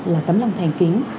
là tấm lòng thành kính